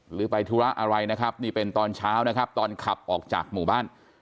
หรือไปธุระอะไรนะครับนี่เป็นตอนเช้านะครับตอนขับออกจากหมู่บ้าน